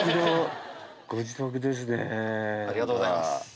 ありがとうございます